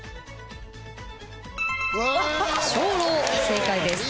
正解です。